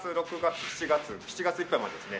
７月いっぱいまでですね。